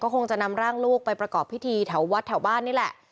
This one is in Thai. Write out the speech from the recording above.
คงจะนำร่างลูกไปประกอบพิธีแถววัดแถวบ้านนี่แหละ